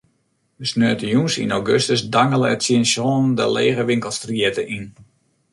Dy sneontejûns yn augustus dangele er tsjin sânen de lege winkelstrjitte yn.